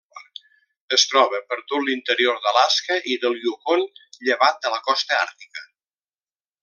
Es troba per tot l'interior d'Alaska i del Yukon, llevat de la costa àrtica.